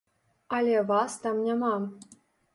Але вас там няма.